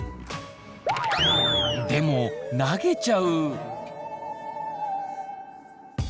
でも投げちゃう。